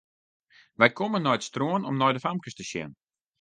Wy komme nei it strân om nei de famkes te sjen.